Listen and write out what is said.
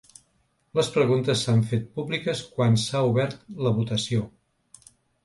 Les preguntes s’han fet públiques quan s’ha obert la votació.